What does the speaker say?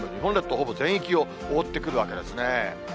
ほぼ全域を覆ってくるわけですね。